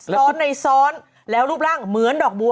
ซ้อนในซ้อนแล้วรูปร่างเหมือนดอกบัว